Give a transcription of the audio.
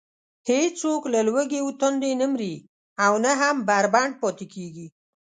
هېڅوک له لوږې و تندې نه مري او نه هم بربنډ پاتې کېږي.